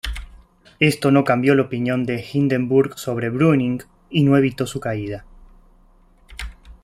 Esto no cambió la opinión de Hindenburg sobre Brüning, y no evitó su caída.